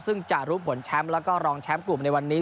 ซึ่งจะรู้ผลแชมป์แล้วก็รองแชมป์กลุ่มในวันนี้